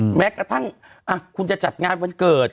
แม้กระทั่งคุณจะจัดงานวันเกิด